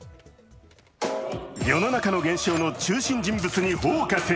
世の中の現象の中心人物に「ＦＯＣＵＳ」。